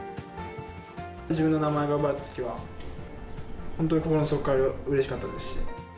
自分の名前が呼ばれたときは、本当に心の底からうれしかったですし。